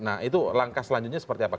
nah itu langkah selanjutnya seperti apa